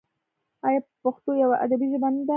آیا پښتو یوه ادبي ژبه نه ده؟